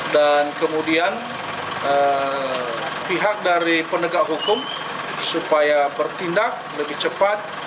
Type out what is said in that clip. dan kemudian pihak dari pendegak hukum supaya bertindak lebih cepat